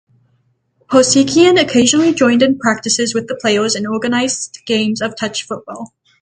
Parseghian occasionally joined in practices with the players and organized games of touch football.